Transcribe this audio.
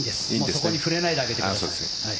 そこに触れないであげてください。